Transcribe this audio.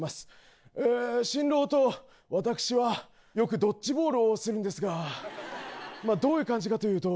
ええ新郎と私はよくドッジボールをするんですがどういう感じかというと。